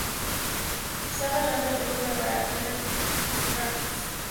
Zappa lanzó la película para United Artists.